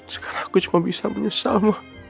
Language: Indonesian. sekarang aku cuma bisa menyesalmu